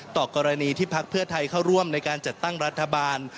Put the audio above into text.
ต่อกรณีที่พักเพื่อไทยเข้าร่วมในการจัดตั้งรัฐบาล